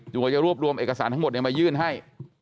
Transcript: กว่าจะรวบรวมเอกสารทั้งหมดมายื่นให้